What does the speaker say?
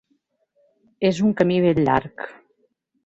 És un camí ben llarg.